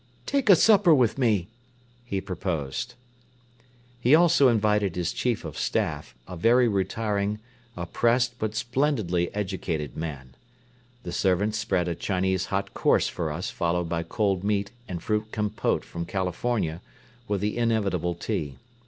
"Take supper with me," he proposed. He also invited his Chief of Staff, a very retiring, oppressed but splendidly educated man. The servants spread a Chinese hot course for us followed by cold meat and fruit compote from California with the inevitable tea.